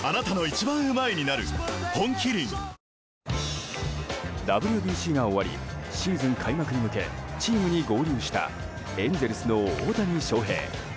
本麒麟ＷＢＣが終わりシーズン開幕に向けチームに合流したエンゼルスの大谷翔平。